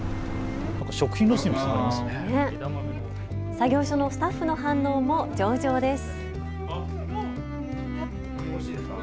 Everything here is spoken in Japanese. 作業所のスタッフの反応も上々です。